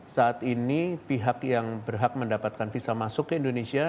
saat ini pihak yang berhak mendapatkan visa masuk ke indonesia